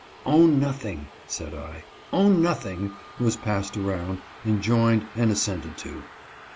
"Own nothing," said I. "Own nothing" was passed round, enjoined, and assented to.